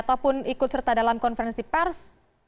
apakah anda pun ikut serta dalam konferensi pers